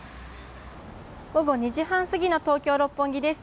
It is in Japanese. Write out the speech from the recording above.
午後２時半過ぎの東京・六本木です。